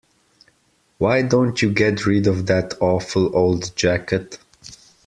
Why don't you get rid of that awful old jacket?